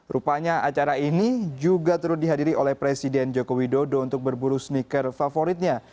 rupanya acara ini juga turut dihadiri oleh presiden joko widodo untuk berburu sneaker favoritnya